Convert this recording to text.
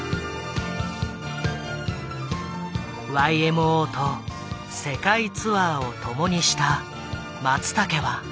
ＹＭＯと世界ツアーをともにした松武は。